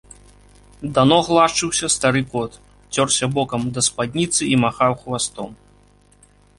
Да ног лашчыўся стары кот, цёрся бокам да спадніцы і махаў хвастом.